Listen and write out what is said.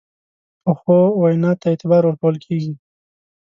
پخو وینا ته اعتبار ورکول کېږي